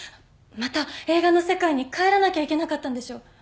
また映画の世界に帰らなきゃいけなかったんでしょ？